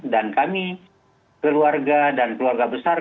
kami keluarga dan keluarga besar